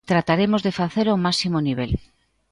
Trataremos de facelo ao máximo nivel.